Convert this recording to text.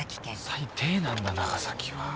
最低なんだ長崎は。